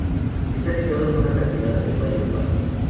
Está situado en un acantilado del valle de Paro.